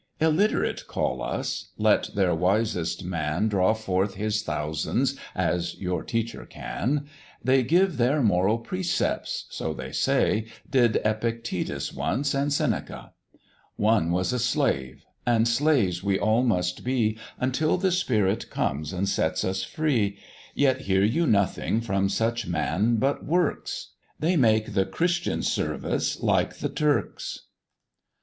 Illiterate call us! let their wisest man Draw forth his thousands as your Teacher can: They give their moral precepts: so, they say, Did Epictetus once, and Seneca; One was a slave, and slaves we all must be, Until the Spirit comes and sets us free. Yet hear you nothing from such man but works; They make the Christian service like the Turks.